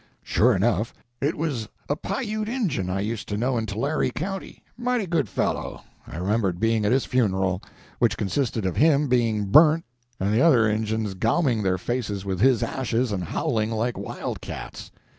Sure enough, it was a Pi Ute Injun I used to know in Tulare County; mighty good fellow—I remembered being at his funeral, which consisted of him being burnt and the other Injuns gauming their faces with his ashes and howling like wildcats.